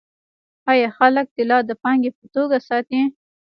آیا خلک طلا د پانګې په توګه ساتي؟